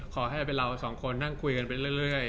ขอให้เป็นเราสองคนนั่งคุยกันไปเรื่อย